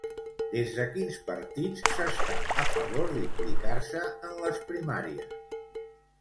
Des de quins partits s'està a favor d'implicar-se en les primàries?